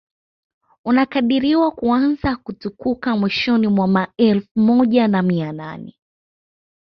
unakadiriwa kuanza kutukuka mwishoni mwa elfu moja na mia nane